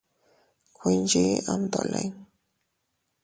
Kuinchi am dolin.